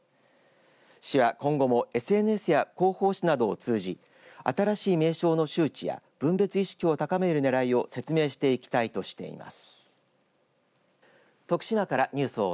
市は今後もＳＮＳや広報紙などを通じて新しい名称の周知や分別意識を高める狙いを説明していきたいとしています。